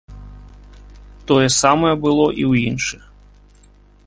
Тое самае было і ў іншых.